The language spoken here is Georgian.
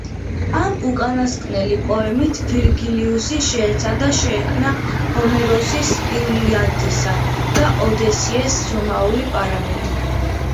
ამ უკანასკნელი პოემით ვირგილიუსი შეეცადა შეექმნა ჰომეროსის „ილიადისა“ და „ოდისეის“ რომაული პარალელი.